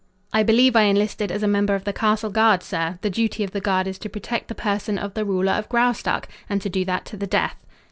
"I believe I enlisted as a member of the castle guard, sir. The duty of the guard is to protect the person of the ruler of Graustark, and to do that to the death."